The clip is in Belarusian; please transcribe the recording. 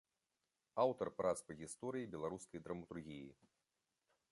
Аўтар прац па гісторыі беларускай драматургіі.